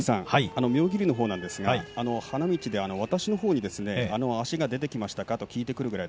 妙義龍のほうなんですが花道で私のほうに足が出ていましたかと聞いてきました。